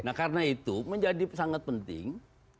nah karena itu menjadi sangat penting